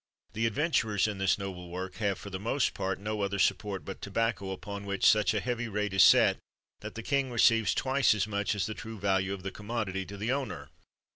The adventurers in this noble work have for the most part no other support but tobacco, upon which such a heavy rate is set that the king receives twice as much as the true value of the commod ity to the owner.